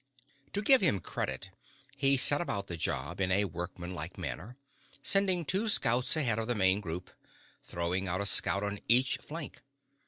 To give him credit, he set about the job in a workmanlike manner, sending two scouts ahead of the main group, throwing out a scout on each flank.